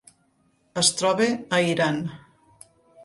Es troba a Iran.